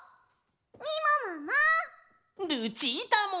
みももも！